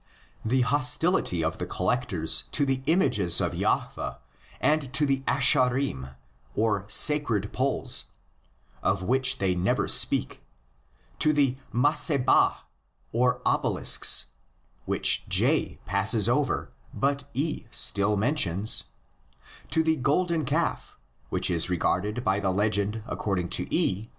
The hostility of the collectors to the images of Jahveh and to the Asherim (sacred poles), of which they never speak, to the Massebah (obelisks), which J passes over but E still mentions, to the "golden calf which is regarded by the legend according to E (Exodus xxxii.)